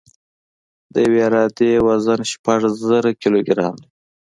د یوې عرادې وزن شپږ زره کیلوګرام دی